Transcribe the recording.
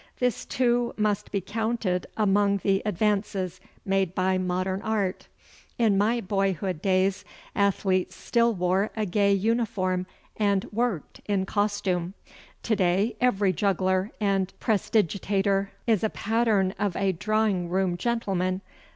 This too must be counted among the advances made by modern art. In my boyhood days athletes still wore a gay uniform and "worked" in costume. To day every juggler and prestidigitator is a pattern of a drawing room gentleman.